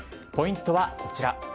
ポイントはこちら。